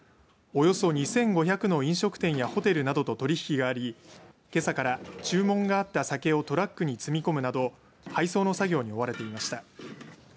およそ２５００の飲食店やホテルなどと取り引きがありけさから注文があった酒をトラックに積み込むなど配送の作業に追われていました。